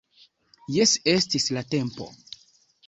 Jes, estis la tempo!